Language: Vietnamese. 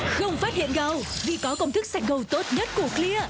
không phát hiện gầu vì có công thức sạch gầu tốt nhất của clear